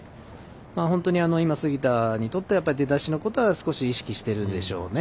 本当に今、杉田にとっては出だしのことは少し意識してるでしょうね。